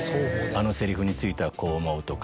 「あのセリフについてはこう思う」とか